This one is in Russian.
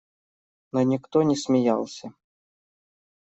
Но никто не смеялся.